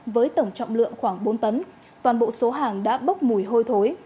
với tổng trọng lượng khoảng bốn tấn toàn bộ số hàng đã bốc mùi hôi thối